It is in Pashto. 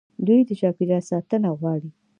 دوی د چاپیریال ساتنه غواړي.